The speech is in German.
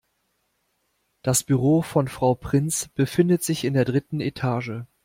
Das Büro von Frau Prinz befindet sich in der dritten Etage.